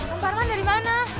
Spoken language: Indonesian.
om parman dari mana